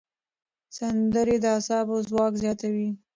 سندرې د اعصابو ځواک زیاتوي.